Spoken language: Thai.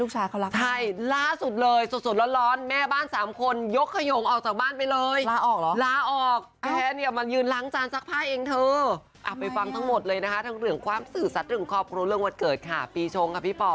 ใช่ลูกชาติเค้ารักชักล่าสุดเลยสดร้อน